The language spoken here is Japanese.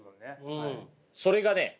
それがね